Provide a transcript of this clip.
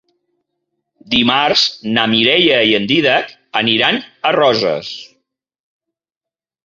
Dimarts na Mireia i en Dídac aniran a Roses.